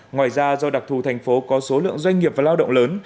ngoài ra do đặc thù thành phố có số lượng doanh nghiệp và lao động lớn